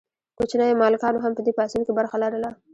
کوچنیو مالکانو هم په دې پاڅون کې برخه لرله.